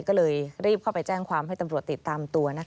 ก็เลยรีบเข้าไปแจ้งความให้ตำรวจติดตามตัว